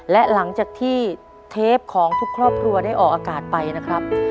และหลังจากที่เทปของทุกครอบครัวได้ออกอากาศไปนะครับ